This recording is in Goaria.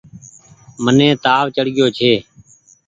مني تآو چڙگيو ڇي۔